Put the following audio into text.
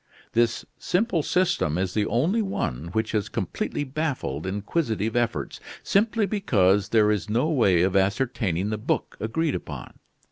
This simple system is the only one which has completely baffled inquisitive efforts, simply because there is no way of ascertaining the book agreed upon.